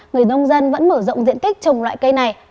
người nông dân vẫn mở rộng diện tích trồng loại cây này